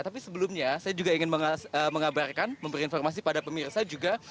tapi sebelumnya saya juga ingin mengabarkan memberi informasi pada pemirsa juga